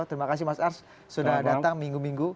terima kasih mas ars sudah datang minggu minggu